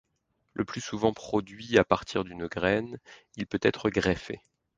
Le plus souvent produit à partir d’une graine, il peut être greffé.